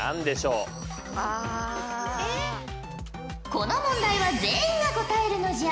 この問題は全員が答えるのじゃ。